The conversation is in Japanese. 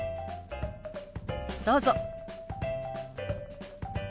どうぞ。